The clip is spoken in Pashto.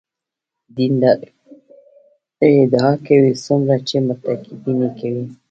دیندارۍ ادعا کوي څومره چې مرتکبین یې کوي.